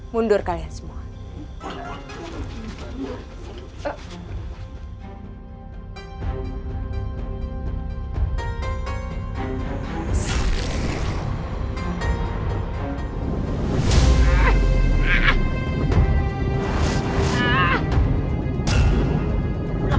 mundur kalian semua